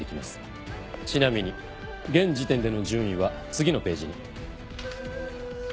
ちなみに現時点での順位は次のページに。